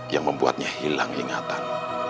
yang membuatnya hilang ingatan